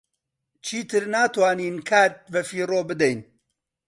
چیتر ناتوانین کات بەفیڕۆ بدەین.